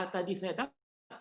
tadi saya dapat